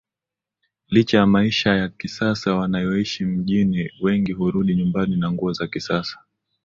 licha ya maisha ya kisasa wanayoishi mjini wengi hurudi nyumbani na nguo za kisasa